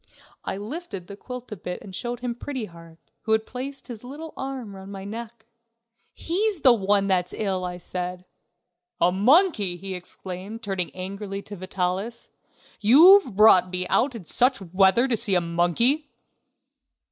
I lifted the quilt a bit and showed him Pretty Heart, who had placed his little arm round my neck. "He's the one that's ill," I said. "A monkey!" he exclaimed, turning angrily to Vitalis. "You've brought me out in such weather to see a monkey!..."